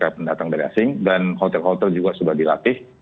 pendatang dari asing dan hotel hotel juga sudah dilatih